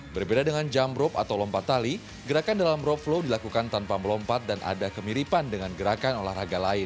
berbeda dengan jump rope atau lompat tali gerakan dalam rope flow dilakukan tanpa melompat dan ada kemiripan dengan gerakan olahraga lain